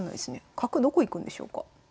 角どこ行くんでしょうか。